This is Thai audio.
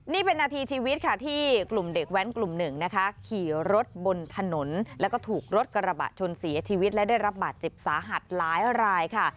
นี่เป็นนาทีชีวิตค่ะที่กลุ่มเด็กแว้นกลุ่มหนึ่งนะคะขี่รถบนถนนแล้วก็ถูกรถกระบะชนเสียชีวิตและได้รับบาดเจ็บสาหัสหลายรายค่ะ